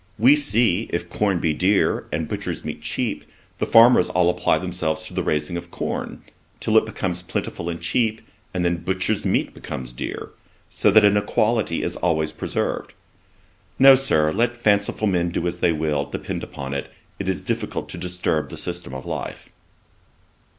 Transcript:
We see, if corn be dear, and butchers' meat cheap, the farmers all apply themselves to the raising of corn, till it becomes plentiful and cheap, and then butchers' meat becomes dear; so that an equality is always preserved. No, Sir, let fanciful men do as they will, depend upon it, it is difficult to disturb the system of life.'